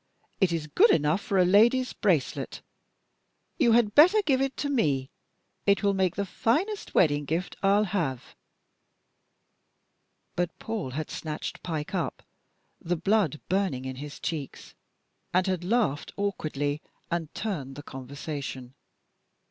It is good enough for a lady's bracelet. You had better give it to me! It will make the finest wedding gift I'll have!" But Paul had snatched Pike up, the blood burning in his cheeks, and had laughed awkwardly and turned the conversation.